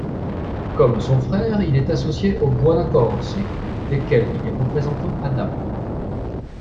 Comme son frère il est associé aux Buonaccorsi, desquels il est représentant à Naples.